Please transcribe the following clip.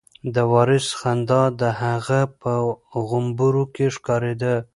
د وارث خندا د هغه په غومبورو کې ښکارېده.